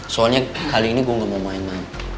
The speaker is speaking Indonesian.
soalnya kali ini gue gak mau main main